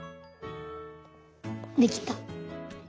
できた。